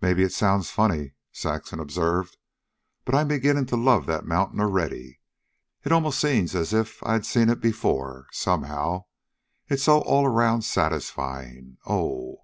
"Maybe it sounds funny," Saxon observed; "but I 'm beginning to love that mountain already. It almost seems as if I'd seen it before, somehow, it's so all around satisfying oh!"